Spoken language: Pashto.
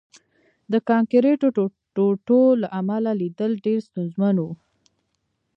د کانکریټو ټوټو له امله لیدل ډېر ستونزمن وو